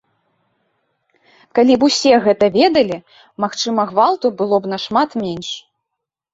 Калі б усе гэта ведалі, магчыма, гвалту было б нашмат менш.